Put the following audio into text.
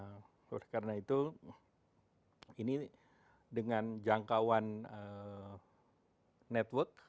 nah oleh karena itu ini dengan jangkauan network